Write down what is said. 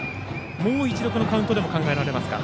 もう一度、このカウントでも考えられますか？